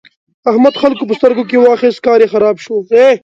احمد خلګو په سترګو کې واخيست؛ کار يې خراب شو.